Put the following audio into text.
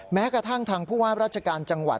แม้กระทั่งทางผู้ว่าราชการจังหวัด